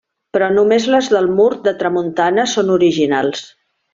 Però només les del mur de tramuntana són originals.